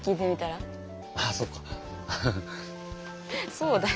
そうだよ。